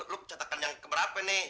lu cetakan yang keberapa nih